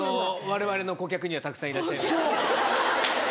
われわれの顧客にはたくさんいらっしゃいます。